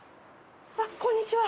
あっこんにちは！